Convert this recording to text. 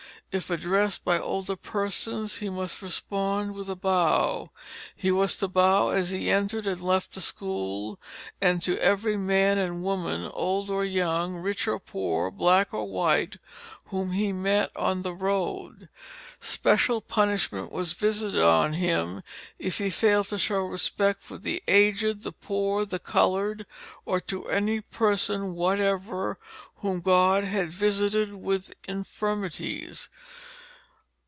If addressed by older persons he must respond with a bow. He was to bow as he entered and left the school, and to every man and woman, old or young, rich or poor, black or white, whom he met on the road. Special punishment was visited on him if he failed to show respect for the aged, the poor, the colored, or to any persons whatever whom God had visited with infirmities."